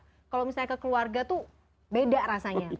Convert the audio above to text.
kalau misalnya ke keluarga tuh beda rasanya